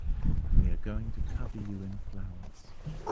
We are going to cover you in flowers.